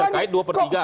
terkait dua per tiga